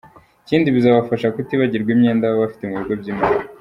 Ikindi bizabafasha kutibagirwa imyenda baba bafite mu bigo by’imari.